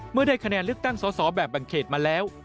ได้คะแนนเลือกตั้งสอสอแบบแบ่งเขตมาแล้ว